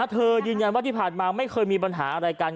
ยืนยันว่าที่ผ่านมาไม่เคยมีปัญหาอะไรกัน